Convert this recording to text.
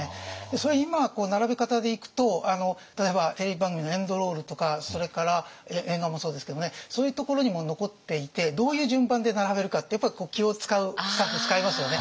それ今並べ方でいくと例えばテレビ番組のエンドロールとかそれから映画もそうですけれどもねそういうところにも残っていてどういう順番で並べるかってやっぱ気を遣うスタッフ遣いますよね。